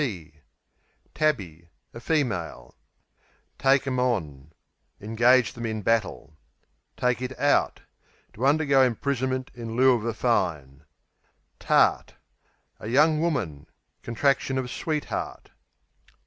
Tabbie A female. Take 'em on Engage them in battle. Take it out To undergo imprisonment in lieu of a fine. Tart A young woman (contraction of sweetheart).